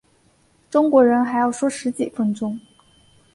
中国人说还要十几分钟